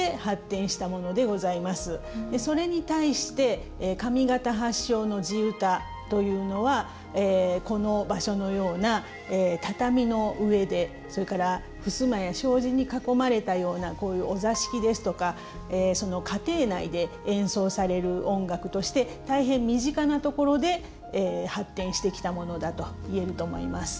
それに対して上方発祥の地唄というのはこの場所のような畳の上でそれからふすまや障子に囲まれたようなこういうお座敷ですとかその家庭内で演奏される音楽として大変身近なところで発展してきたものだと言えると思います。